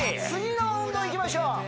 次の運動いきましょう